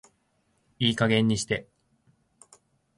いい加減にして